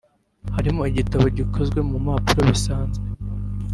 harimo igitabo gikozwe mu mpapuro bisanzwe